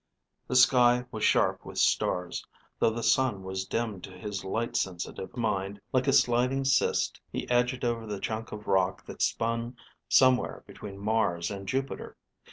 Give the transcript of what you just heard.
The sky was sharp with stars, though the sun was dim to his light sensitive rind. Like a sliding cyst, he edged over the chunk of rock that spun somewhere between Mars and Jupiter.